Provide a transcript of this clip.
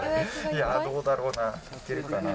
いやー、どうだろうな。